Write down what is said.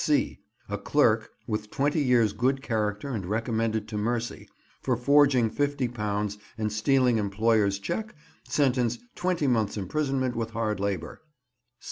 (c) A clerk (with twenty years' good character and recommended to mercy), for forging £50 and stealing employer's cheque: sentence, twenty months' imprisonment with hard labour.